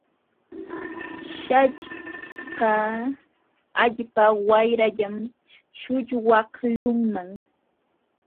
Śhllqa allpa wayrallam śhullwaqlunman.